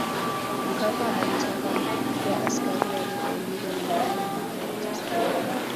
Mkapa alitaka kuwa askari Alipoulizwa na mwalimu wake wa kizungu